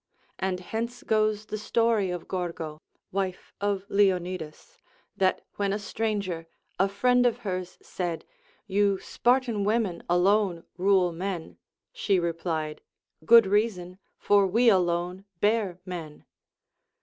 And hence goes the story of Gorgo, wife of Leonidas, that Λνΐιοη a stranger, a friend of hers, said, You Spartan women alone rule men, she replied, Good reason, for we alone bear men.